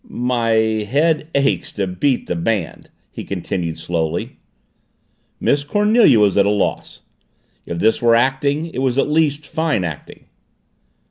"My head aches to beat the band," he continued slowly. Miss Cornelia was at a loss. If this were acting, it was at least fine acting.